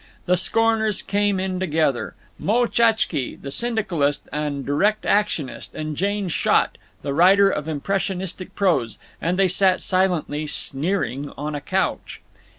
The scorners came in together—Moe Tchatzsky, the syndicalist and direct actionist, and Jane Schott, the writer of impressionistic prose—and they sat silently sneering on a couch.